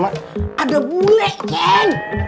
anda boleh dead rare